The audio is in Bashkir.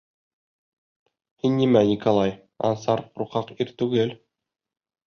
— Һин нимә, Николай, Ансар ҡурҡаҡ ир түгел.